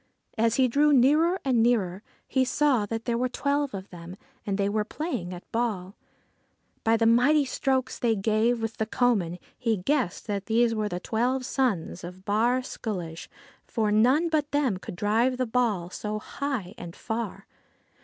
As he drew nearer and nearer, he saw that there were twelve of them, and they were playing at ball. By the mighty strokes they gave with the coman he guessed that these were the twelve sons of Bawr Sculloge, for none but them could drive the ball so high and far.